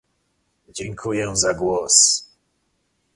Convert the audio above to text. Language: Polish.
Dziękuję za głos